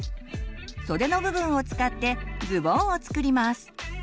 袖の部分を使ってズボンを作ります。